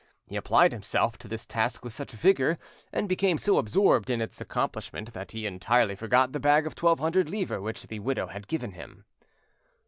He applied himself to this task with such vigour, and became so absorbed in its accomplishment, that he entirely forgot the bag of twelve hundred livres which the widow had given him.